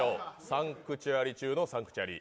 サンクチュアリ中のサンクチュアリ。